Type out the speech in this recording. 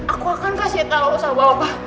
aku akan kasih tau sama bapak